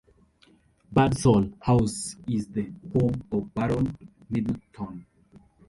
Birdsall House is the home of Baron Middleton.